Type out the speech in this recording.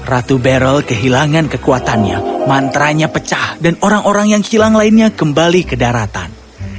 ratu beryl kehilangan kekuatannya mantranya pecah dan orang orang yang hilang lainnya kembali ke daratan